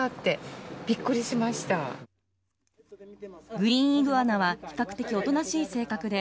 グリーンイグアナは比較的おとなしい性格で